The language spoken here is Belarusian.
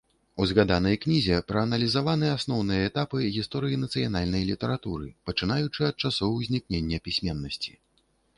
У згаданай кнізе прааналізаваны асноўныя этапы гісторыі нацыянальнай літаратуры, пачынаючы ад часоў узнікнення пісьменнасці.